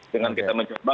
dengan kita mencoba